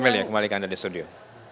amelia kembali ke anda di studio